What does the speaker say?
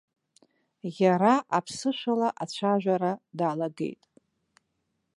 Иара аԥсышәала ацәажәара далагеит.